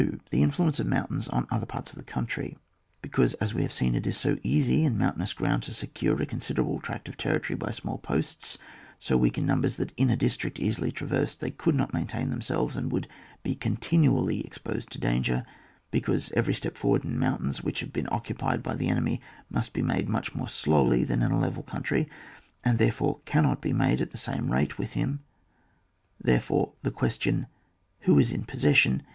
The influence of mountains on oiker parte of the country. Because, as we have seen, it is so easy in mountainous ground to secure a con'> siderable tract of territory by small posts, BO weak in numbers that in a district easily traversed they could not maintain themselves, and would be continually exposed to danger; because every step fbrward in mountains which have been occupied by the enemy must be made much more slowly than in a level country, and therefore cannot be made at the same rate with him — therefore the ques tion, Who is in possession